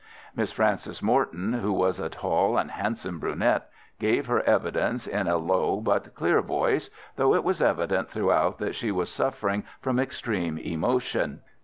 Miss Frances Morton, who was a tall and handsome brunette, gave her evidence in a low but clear voice, though it was evident throughout that she was suffering from extreme emotion.